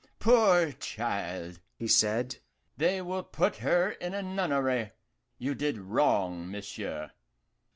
poor child!" he said; "they will put her in a nunnery. You did wrong, monsieur."